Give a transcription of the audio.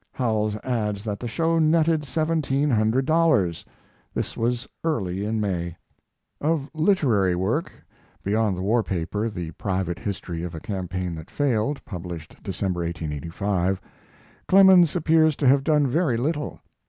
Howells adds that the show netted seventeen hundred dollars. This was early in May. Of literary work, beyond the war paper, the "Private History of a Campaign that Failed" (published December, 1885), Clemens appears to have done very little.